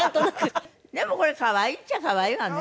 でもこれ可愛いっちゃ可愛いわね。